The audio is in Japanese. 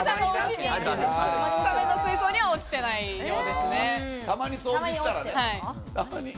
サメの水槽には落ちてないようですね。